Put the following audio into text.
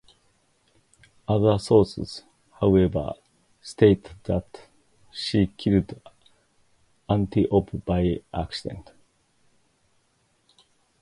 Other sources, however, state that she killed Antiope by accident.